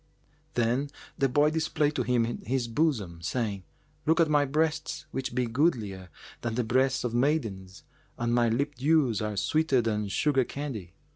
"[FN#390] Then the boy displayed to him his bosom, saying, "Look at my breasts which be goodlier than the breasts of maidens and my lip dews are sweeter than sugar candy.